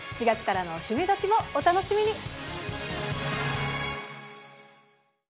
４月からの「趣味どきっ！」もお楽しみに。